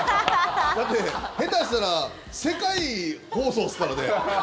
だって、下手したら世界放送ですからね。